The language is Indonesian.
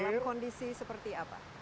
dalam kondisi seperti apa